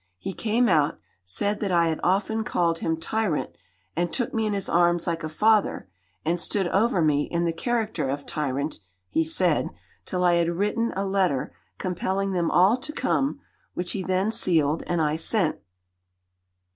"He came out, said that I had often called him 'Tyrant,' and took me in his arms like a father, and stood over me in the character of Tyrant (he said) till I had written a letter compelling them all to come, which he then sealed and I sent.